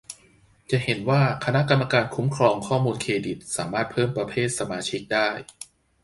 จะเห็นว่า คณะกรรมการคุ้มครองข้อมูลเครดิตสามารถเพิ่มประเภทสมาชิกได้